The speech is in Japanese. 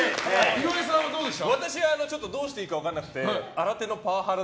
岩井さんはどうでした？